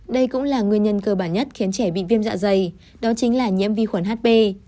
đây cũng là nguyên nhân cơ bản nhất khiến trẻ bị viêm dạ dày đó chính là nhiễm vi khuẩn hp